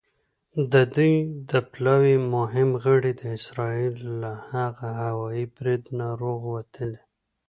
د دوی د پلاوي مهم غړي د اسرائیل له هغه هوايي بریده روغ وتلي.